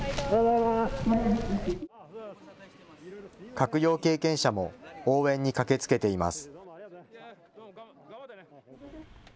閣僚経験者も応援に駆けつけています。